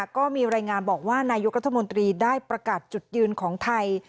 ก็มีรายงานบอกว่านายกรัฐมนตรีได้ประกาศจุดยืนของไทย